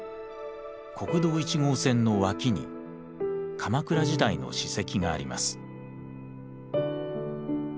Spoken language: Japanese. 国道１号線の脇に鎌倉時代の史跡があります。